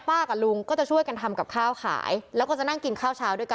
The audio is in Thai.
กับลุงก็จะช่วยกันทำกับข้าวขายแล้วก็จะนั่งกินข้าวเช้าด้วยกัน